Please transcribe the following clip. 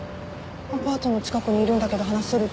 アパートの近くにいるんだけど話せる？